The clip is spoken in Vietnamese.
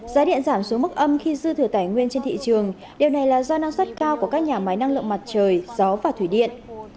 giá điện giảm xuống mức âm khi dư thừa tài nguyên trên thị trường điều này là do năng suất cao của các nhà máy năng lượng mặt trời gió và thủy điện